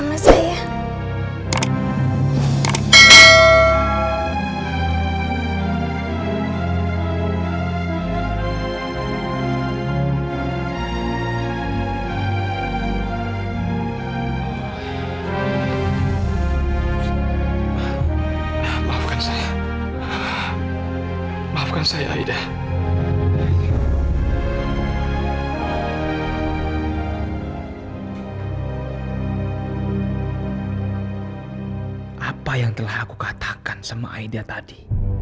apa yang telah aku katakan sama aida tadi